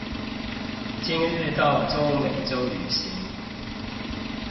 今日到中美州旅行